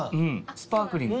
スパークリング。